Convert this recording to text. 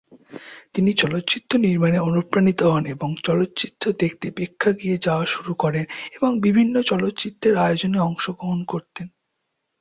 তিনি চলচ্চিত্র নির্মাণে অনুপ্রাণিত হন এবং চলচ্চিত্র দেখতে প্রেক্ষাগৃহে যাওয়া শুরু করেন এবং বিভিন্ন চলচ্চিত্রের আয়োজনে অংশগ্রহণ করতেন।